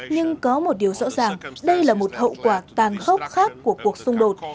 nhưng có một điều rõ ràng đây là một hậu quả tàn khốc khác của cuộc xung đột